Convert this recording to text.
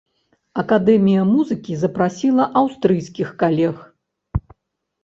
Акадэмія музыкі запрасіла аўстрыйскіх калег.